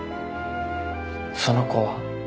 その子は？